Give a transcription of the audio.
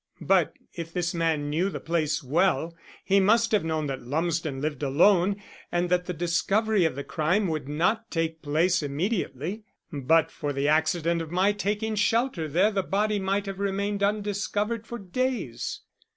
"But if this man knew the place well he must have known that Lumsden lived alone, and that the discovery of the crime would not take place immediately. But for the accident of my taking shelter there the body might have remained undiscovered for days."